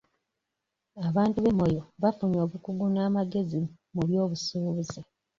Abantu be Moyo baafunye obukugu n'amagezi mu by'obusuubuzi.